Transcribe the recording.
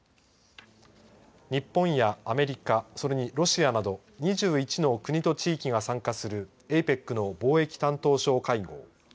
日本やアメリカそれにロシアなど２１の国と地域が参加するＡＰＥＣの貿易担当相会合。